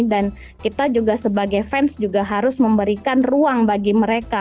dan kita juga sebagai fans juga harus memberikan ruang bagi mereka